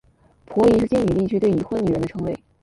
婆姨是晋语地区对已婚女人的称谓。